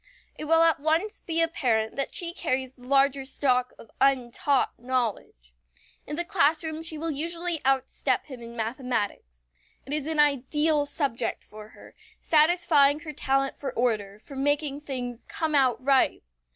It will at once be apparent that she carries the larger stock of untaught knowledge. In the classroom she will usually outstep him in mathematics. It is an ideal subject for her, satisfying her talent for order, for making things "come out right."